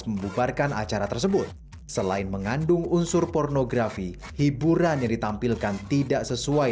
membubarkan acara tersebut selain mengandung unsur pornografi hiburan yang ditampilkan tidak sesuai